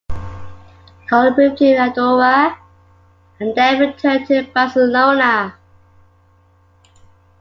Karl moved to Andorra and then returned to Barcelona.